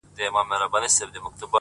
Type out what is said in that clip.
o اوس مي نو ومرگ ته انتظار اوسئ،